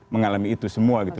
mengalami itu semua gitu